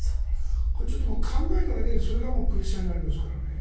ちょっと考えただけでもそれがプレッシャーになりますからね。